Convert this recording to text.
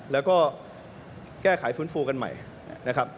แล้วก็แก้ไขฟื้นฟูกันใหม่นะครับ